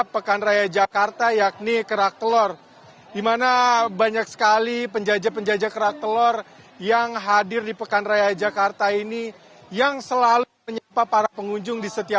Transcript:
pekan raya jakarta